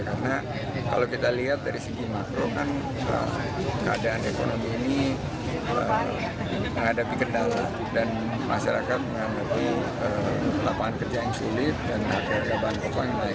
karena kalau kita lihat dari segi makro kan keadaan ekonomi ini menghadapi kendala dan masyarakat menghadapi lapangan kerja yang sulit dan keadaan kekuasaan yang naik